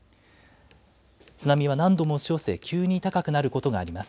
津波は何度も押し寄せ、急に高くなることがあります。